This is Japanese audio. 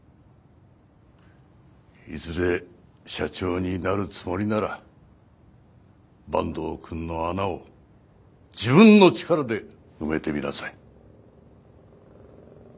いずれ社長になるつもりなら坂東くんの穴を自分の力で埋めてみなさい。